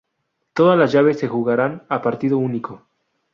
Todas llaves se jugarán a partido único.